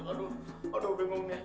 aduh aduh bingungnya